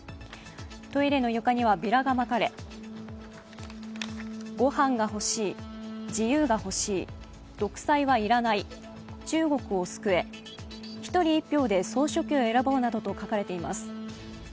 トイレの床にはビラがまかれ、ご飯が欲しい、自由が欲しい、独裁は要らない、中国を救え、１人１票で総書記を選ぼうなどと書かれています。